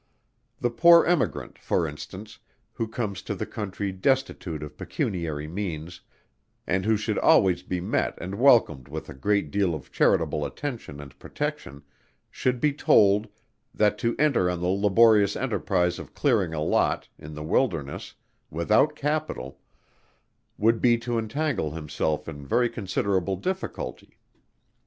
The poor Emigrant, for instance, who comes to the country destitute of pecuniary means, and who should always be met and welcomed with a great deal of charitable attention and protection, should be told, that to enter on the laborious enterprize of clearing a Lot, in the wilderness, without Capital, would be to entangle himself in very considerable difficulty.